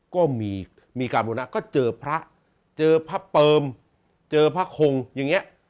ก็มีการบุรณะก็เจอพระเจอพระเปิมเจอพระคงอย่างนี้